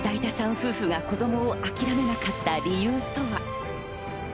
夫婦が子供を諦めなかった理由とは。